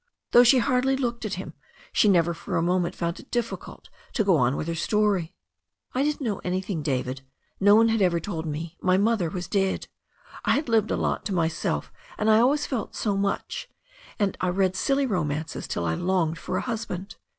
Though she hardly looked at him, she never for a moment found it difficult to go on with her story. "I didn't know anything, David — no one had ever told me — my mother was dead. I had lived a lot to myself and I always felt so much, and I read silly romances till I longed for a husband.